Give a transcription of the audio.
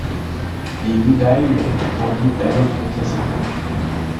Les Hud̠ayl revendiquent d'ailleurs son assassinat.